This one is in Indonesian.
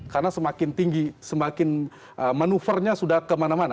karena semakin tinggi semakin manuvernya sudah kemana mana